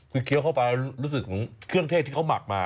คือเคี้ยวเข้าไปรู้สึกของเครื่องเทศที่เขาหมักมา